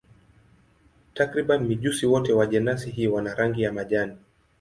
Takriban mijusi wote wa jenasi hii wana rangi ya majani.